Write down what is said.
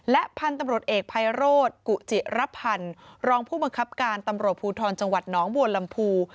และพันธุ์ตำรวจเอกภัยโรธกุจิระพันธ์รองผู้บังคับการตำรวจภูทรจังหวัดน้องบัวลำพู